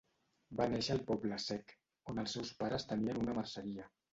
Va néixer al Poble Sec, on els seus pares tenien una merceria.